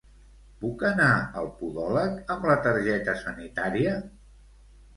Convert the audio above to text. Puc anar al podòleg amb la targeta sanitària?